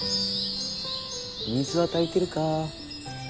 水は足りてるか？